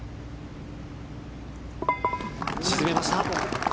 沈めました。